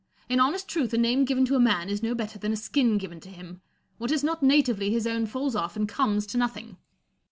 In honest truth, a name given to a man is no better than a skin given to him ; what is not natively his own falls off and comes to nothing.